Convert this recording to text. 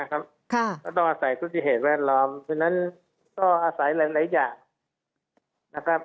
ก็ต้องอาศัยกุฏิเหตุแวดล้อมเพราะฉะนั้นก็อาศัยหลายอย่าง